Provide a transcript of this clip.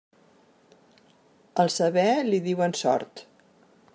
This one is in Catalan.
Al saber, li diuen sort.